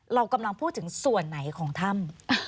เรากำลังพูดถึงส่วนไหนของถ้ำ